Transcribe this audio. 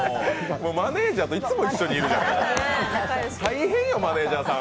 マネージャーといつも一緒にいるじゃん。